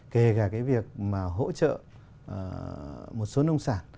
kể cả cái việc mà hỗ trợ một số nông sản